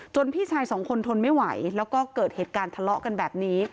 พี่ชายสองคนทนไม่ไหวแล้วก็เกิดเหตุการณ์ทะเลาะกันแบบนี้